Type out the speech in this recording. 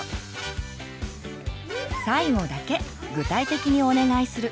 最後だけ具体的にお願いする。